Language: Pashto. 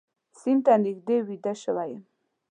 سیند ته نږدې ویده شوی یم